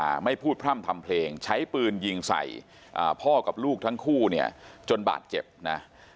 หลังบ้านออกมาไม่พูดพร่ำทำเพลงใช้ปืนยิงใส่พอกับลูกทั้งคู่เนี่ยจนบาดเจ็บนะ